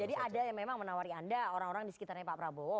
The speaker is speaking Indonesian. jadi ada yang memang menawari anda orang orang di sekitarnya pak prabowo